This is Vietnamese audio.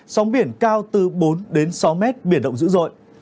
sóng biển cao từ bốn đến sáu mét biển động dữ dội